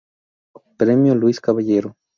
Premio Luis Caballero.